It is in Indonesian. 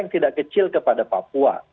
tidak kecil kepada papua